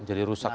jadi rusak lagi